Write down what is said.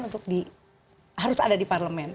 untuk harus ada di parlemen